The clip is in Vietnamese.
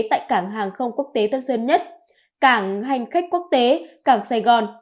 tại cảng hàng không quốc tế tân sơn nhất cảng hành khách quốc tế cảng sài gòn